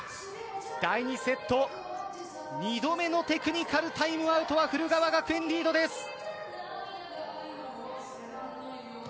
第２セット２度目のテクニカルタイムアウトは古川学園リードです。